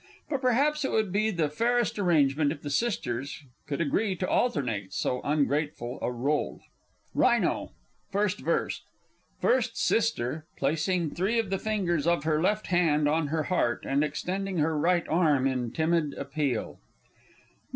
But perhaps it would be the fairest arrangement if the Sisters could agree to alternate so ungrateful a rôle. RHINO! First Verse. First Sister (placing three of the fingers of her left hand on her heart, and extending her right arm in timid appeal).